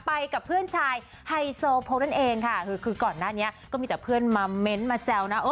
ไปกับเพื่อนชายไฮโซโพกนั่นเองค่ะคือคือก่อนหน้านี้ก็มีแต่เพื่อนมาเม้นต์มาแซวนะ